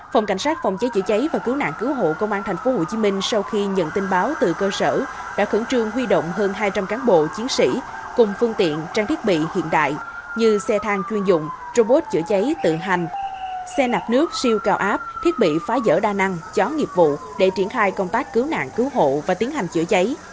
phòng cảnh sát phòng cháy chữa cháy và cứu nạn cứu hộ công an tp hcm sau khi nhận tin báo từ cơ sở đã khẩn trương huy động hơn hai trăm linh cán bộ chiến sĩ cùng phương tiện trang thiết bị hiện đại như xe thang chuyên dụng robot chữa cháy tự hành xe nạp nước siêu cao áp thiết bị phá dở đa năng chó nghiệp vụ để triển khai công tác cứu nạn cứu hộ và tiến hành chữa cháy